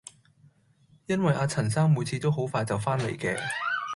因為阿陳生每次都好快就返嚟嘅